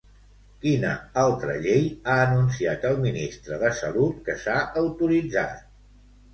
Quina altra llei ha anunciat el ministre de Salut que s'ha autoritzat?